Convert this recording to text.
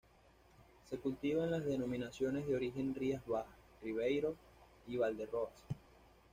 Se cultiva en las denominaciones de origen Rías Bajas, Ribeiro y Valdeorras.